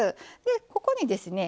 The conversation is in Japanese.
ここにですね